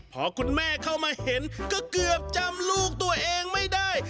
พอคุณแม่เข้ามาเห็นก็เกือบจำลูกตัวเองไม่ได้